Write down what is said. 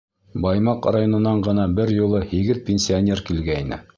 Баймаҡ районынан ғына бер юлы һигеҙ пенсионер килгәйне.